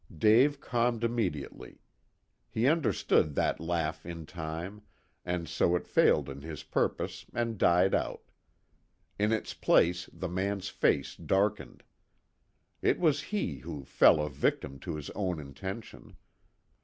Dave calmed immediately. He understood that laugh in time, and so it failed in its purpose and died out. In its place the man's face darkened. It was he who fell a victim to his own intention.